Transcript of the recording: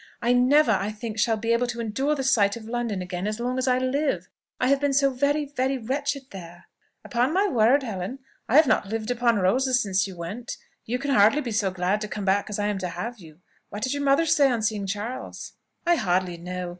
I never, I think, shall be able to endure the sight of London again as long as I live. I have been so very, very wretched there!" "Upon my word, Helen, I have not lived upon roses since you went. You can hardly be so glad to come back, as I am to have you. What did your mother say on seeing Charles?" "I hardly know.